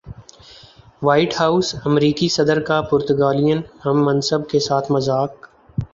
white House میں امریکی صدر کا پرتگالین ہم منصب کے ساتھ مذاق